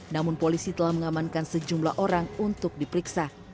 namun polisi telah mengamankan sejumlah orang untuk diperiksa